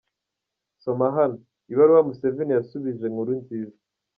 Soma hano: Ibaruwa Museveni yasubije Nkurunziza